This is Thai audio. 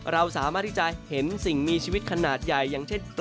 เราสามารถที่จะเห็นสิ่งมีชีวิตขนาดใหญ่อย่างเช่น